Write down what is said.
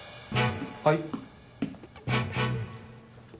はい。